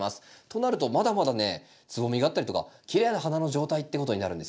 となるとまだまだねつぼみがあったりとかきれいな花の状態っていうことになるんですよ。